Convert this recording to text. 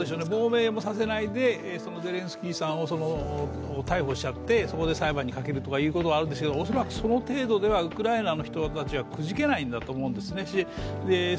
亡命もさせないで、ゼレンスキーさんを逮捕しちゃってそこで裁判にかけることはあるでしょうけど、恐らくその程度ではウクライナの人たちはくじけないんだろうと思いますね。